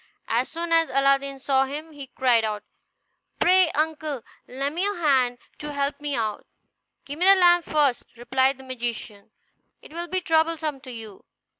As soon as Aladdin saw him, he cried out, "Pray, uncle, lend me your hand, to help me out." "Give me the lamp first," replied the magician; "it will be troublesome to you."